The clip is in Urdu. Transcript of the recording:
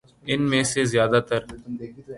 ان میں سے زیادہ تر